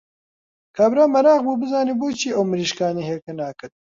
کابرا مەراق بوو بزانێ بۆچی ئەو مریشکانە هێلکە ناکەن!